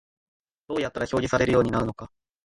どうやったら表示されるようになるのか